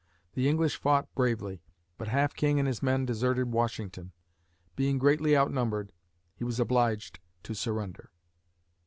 The English fought bravely, but Half King and his men deserted Washington. Being greatly outnumbered, he was obliged to surrender.